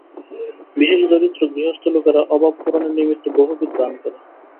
বিশেষ দরিদ্র গৃহস্থ লোকেরা অভাব পূরণের নিমিত্ত বহুবিধ ভান করে।